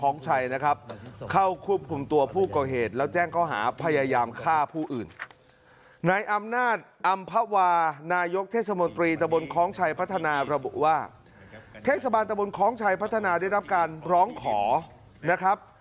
เทศบาลอำภาวานายกเทศมนตรีตะบนคล้องชัยพัฒนาระบุว่าเทศบาลตะบนคล้องชัยพัฒนาได้รับการร้องขอนะครับ